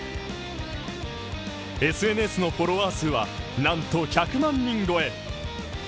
ＳＮＳのフォロワー数はなんと１００万人超え。